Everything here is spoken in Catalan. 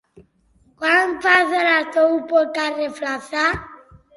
Quan passa l'autobús pel carrer Flaçà?